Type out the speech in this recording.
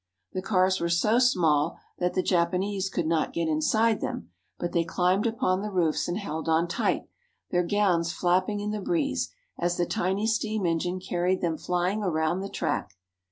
The cars were so small that the Japanese could not get inside them, but they climbed upon the roofs and held on tight, their gowns flap ping in the breeze as the tiny steam engine carried them flying around the track.